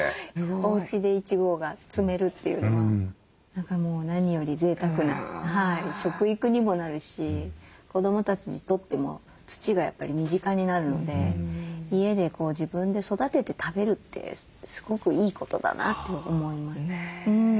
おうちでいちごが摘めるというのは何かもう何よりぜいたくな食育にもなるし子どもたちにとっても土がやっぱり身近になるので家で自分で育てて食べるってすごくいいことだなと思います。